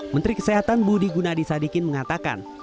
menteri kesehatan budi gunadisadikin mengatakan